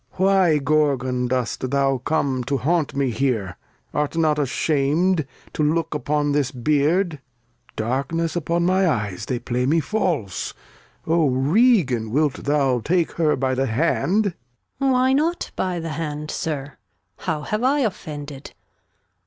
Why, Gorgon, dost thou come to hunt me here ? Art not asham'd to look upon this Beard ? Darkness upon my Eyes, they play me false, O Regan, wilt thou take her by the Hand ? 204 The History of [Act ii Gon, Why not by th' Hand, Sir? How have I offended